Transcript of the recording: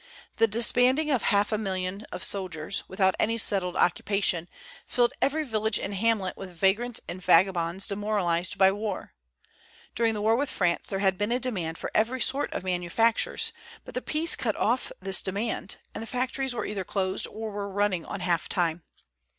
The disbanding of half a million of soldiers, without any settled occupation, filled every village and hamlet with vagrants and vagabonds demoralized by war. During the war with France there had been a demand for every sort of manufactures; but the peace cut off this demand, and the factories were either closed or were running on half time.